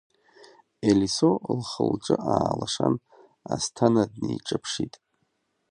Елисо лхы-лҿы аалашан, асҭана днеиҿаԥшит.